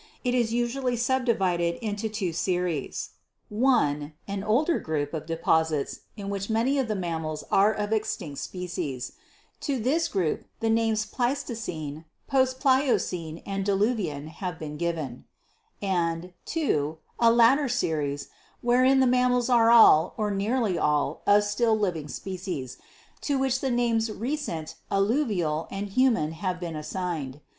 It is usually subdivided into two series: (i) An older group of deposits in which many of the mammals are of extinct species (to this group the names Pleistocene, Post Plio cene and Diluvial have been given) and (2) a later series, wherein the mammals are all, or nearly all, of still living species, to which the names Recent, Alluvial and Human have been assigned.